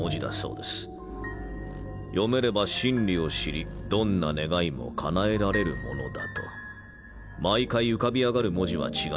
読めれば真理を知りどんな願いもかなえられるものだと。毎回浮かび上がる文字は違います。